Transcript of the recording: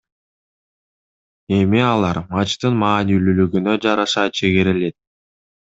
Эми алар матчтын маанилүүлүгүнө жараша чегерилет